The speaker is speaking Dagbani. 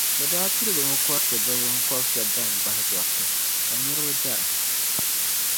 bɛ daa piligimi kɔriti bɛ binkɔb’ shɛb’ ban gbahi dɔriti ka niriba dara.